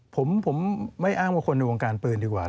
ผมไม่อ้างว่าคนในวงการปืนดีกว่า